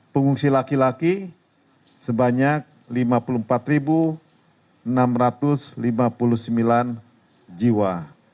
pengungsi laki laki sebanyak lima puluh empat enam ratus lima puluh sembilan jiwa